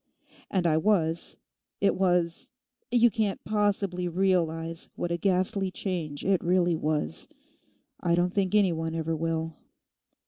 And I was—it was—you can't possibly realise what a ghastly change it really was. I don't think any one ever will.